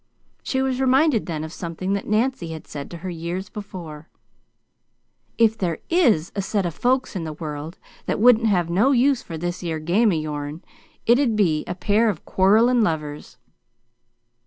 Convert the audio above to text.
She was reminded then of something Nancy had said to her years before: "If there IS a set o' folks in the world that wouldn't have no use for that 'ere glad game o' your'n, it'd be a pair o' quarrellin' lovers!"